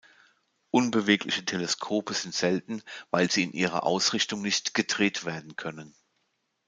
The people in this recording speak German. Unbewegliche Teleskope sind selten, weil sie in ihrer Ausrichtung nicht gedreht werden können.